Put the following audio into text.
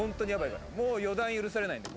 これもう予断許されないんだよ